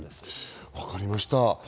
分かりました。